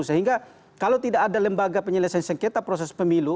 sehingga kalau tidak ada lembaga penyelesaian sengketa proses pemilu